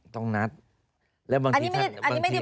ต้องนัดแล้วบางทีนัด